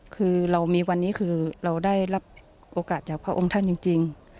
คือเรามีวันนี้คือเราได้รับโอกาสจากพระองค์ท่านจริง